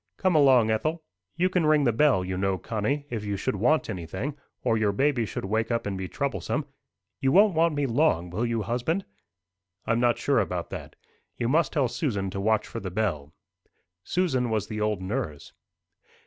"Come along, Ethel." "You can ring the bell, you know, Connie, if you should want anything, or your baby should wake up and be troublesome. You won't want me long, will you, husband?" "I'm not sure about that. You must tell Susan to watch for the bell." Susan was the old nurse.